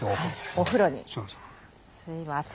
お風呂に。